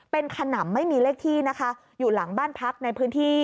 เป็นขนำไม่มีเลขที่นะคะอยู่หลังบ้านพักในพื้นที่